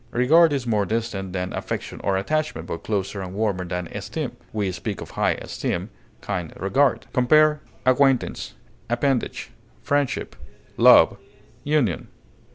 Regard is more distant than affection or attachment, but closer and warmer than esteem; we speak of high esteem, kind regard. Compare ACQUAINTANCE; APPENDAGE; FRIENDSHIP; LOVE; UNION.